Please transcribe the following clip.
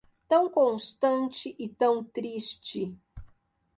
tão constante e tão triste